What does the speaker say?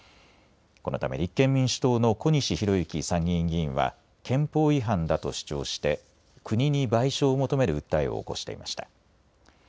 このため立憲民主党の小西洋之参議院は憲法違反だと主張して国に賠償を求める訴えを起こしていました。